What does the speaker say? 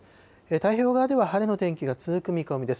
太平洋側では晴れの天気が続く見込みです。